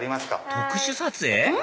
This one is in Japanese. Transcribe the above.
特殊撮影？